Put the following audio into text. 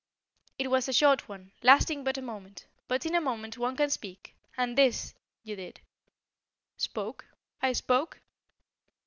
It was a short one, lasting but a moment, but in a moment one can speak, and, this you did " "Spoke? I spoke?"